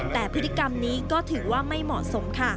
แต่พฤติกรรมนี้ก็ถือว่าไม่เหมาะสมค่ะ